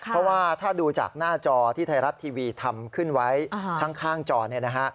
เพราะว่าถ้าดูจากหน้าจอที่ไทยรัฐทีวีทำขึ้นไว้ข้างจอเนี่ยนะฮะ